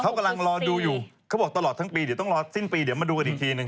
เขากำลังรอดูอยู่เขาบอกตลอดทั้งปีเดี๋ยวต้องรอสิ้นปีเดี๋ยวมาดูกันอีกทีหนึ่ง